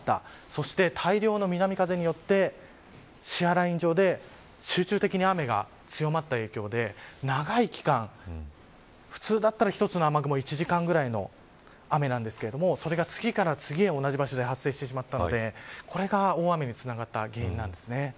そして、大量の南風によってシアーライン上で集中的に雨が強まった影響で長い期間普通だったら１つの雨雲１時間ぐらいの雨なんですけどそれが次から次へ同じ場所で発生してしまったのでこれが大雨につながった原因なんです。